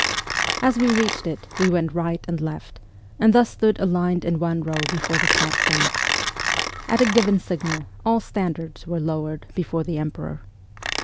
As we reached it we went right and left, and thus stood aligned in one row before the platform. At a given signal all standards were lowered before the Emperor.